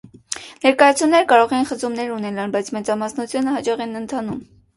Ներկայացումները կարող են խզումներ ունենալ, բայց մեծամասնությունը հաջող են ընթանում։